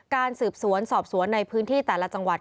การสืบสวนสอบสวนในพื้นที่แต่ละจังหวัด